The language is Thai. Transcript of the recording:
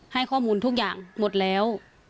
ให้ข้อมูลทุกอย่างหมดแล้ว